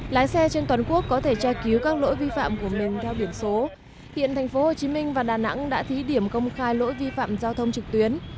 lái xe trên toàn quốc có thể tra cứu các lỗi vi phạm của mình theo biển số hiện tp hcm và đà nẵng đã thí điểm công khai lỗi vi phạm giao thông trực tuyến